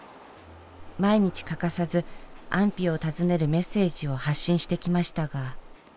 毎日欠かさず安否を尋ねるメッセージを発信してきましたが。